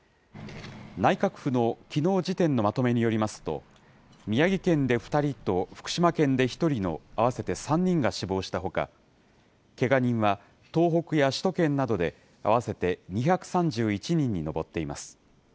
内閣府のきのう時点のまとめによりますと、宮城県で２人と、福島県で１人の合わせて３人が死亡したほか、けが人は、東北や首都圏などで合わせて２３１人に上っています。